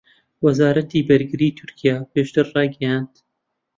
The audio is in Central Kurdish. وەزارەتی بەرگریی تورکیا پێشتر ڕایگەیاند